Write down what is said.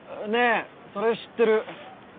ねえそれ知ってる。